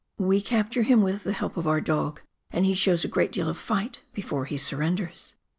We capture him with the help of our dog, and he shows a great deal of fight before he surrenders.